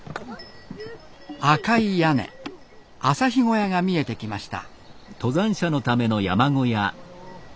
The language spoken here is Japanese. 赤い屋根朝日小屋が見えてきました。